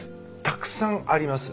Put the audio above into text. たくさんあります。